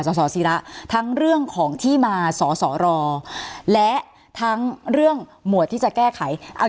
สสิระทั้งเรื่องของที่มาสอสอรอและทั้งเรื่องหมวดที่จะแก้ไข